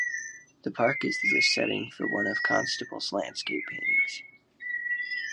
The park is the setting for one of Constable's landscape paintings.